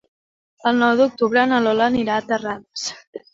El nou d'octubre na Lola anirà a Terrades.